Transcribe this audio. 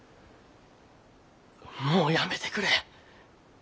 もうやめてくれ。